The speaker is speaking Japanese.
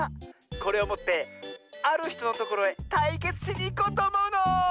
これをもってあるひとのところへたいけつしにいこうとおもうの！